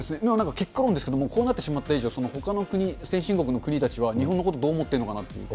結果論ですけれども、こうなってしまった以上、ほかの国、先進国の国たちは日本のことをどう思ってるのかなと。